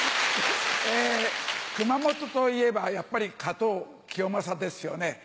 熊本といえばやっぱり加藤清正ですよね。